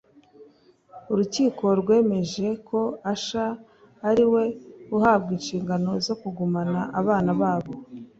urukiko rwemeje ko Usher ariwe uhabwa inshingano zo kugumana abana babo